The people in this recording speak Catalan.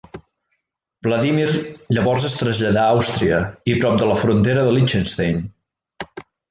Vladímir llavors es traslladà a Àustria i prop de la frontera de Liechtenstein.